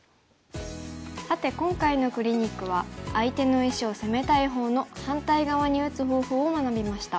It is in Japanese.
さて今回のクリニックは相手の石を攻めたい方の反対側に打つ方法を学びました。